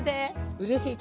うれしい。